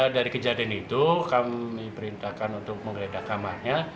dari kejadian itu kami perintahkan untuk menggeledah kamarnya